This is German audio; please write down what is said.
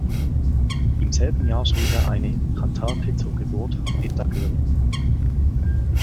Im selben Jahr schrieb er eine "Kantate zur Geburt von Edda Göring".